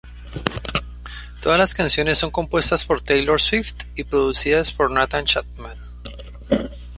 Todas las canciones son compuestas por Taylor Swift y producidas por Nathan Chapman.